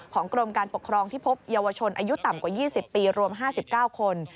กรมการปกครองที่พบเยาวชนอายุต่ำกว่า๒๐ปีรวม๕๙คน